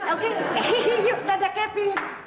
oke yuk dadah kevin